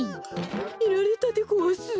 みられたでごわす。